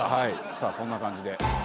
さあそんな感じで。